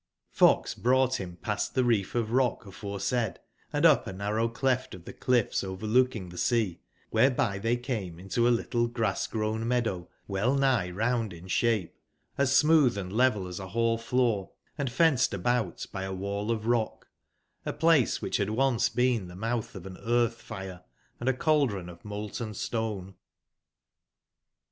fox brougbt bim pasttbereef of rock afore said, and up a narrow cleft of tbe cliffs overlooking tbe sea, wbereby tbey came into a little grass/grown meadow wellnigb round in sbape, as smootb& level as a ball/floor, and fenced about by a wall of rock : a placewbicbbad once been tbemoutbof aneartb/fire, and a cauldron of molten stone.